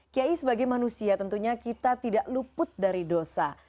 k h m f sebagai manusia tentunya kita tidak luput dari dosa